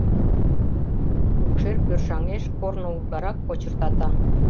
Укшер пӧршаҥеш, корно утларак кочыртата.